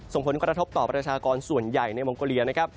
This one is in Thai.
ส่งผลกระทบต่อประชากรส่วนใหญ่ในมองโกเลียนะครับ